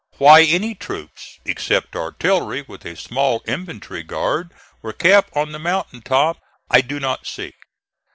Why any troops, except artillery with a small infantry guard, were kept on the mountain top, I do not see.